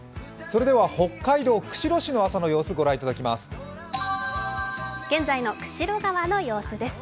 それでは北海道・釧路市の朝の様子、ご覧いただきます。